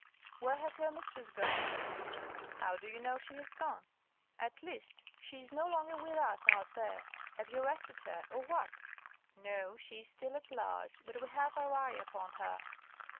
"Where has her mistress gone?" "How do you know she has gone?" "At least, she is no longer with us out there. Have you arrested her or what?" "No, she is still at large, but we have our eye upon her.